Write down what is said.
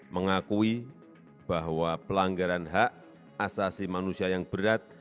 mengakui bahwa pelanggaran hak asasi manusia yang berat